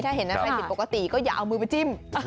ถ้าเห็นอะไรผิดปกติก็อย่าเอามือไปจิ้ม